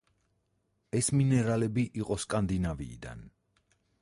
ეს მინერალები იყო სკანდინავიიდან.